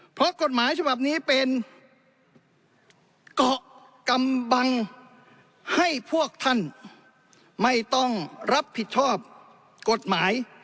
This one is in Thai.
เพราะกฎหมายฉบับนี้เป็นเกาะกำบังให้พวกท่านไม่ต้องรับผิดชอบกฎหมาย